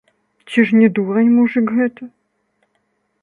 Ці ж не дурань мужык гэта?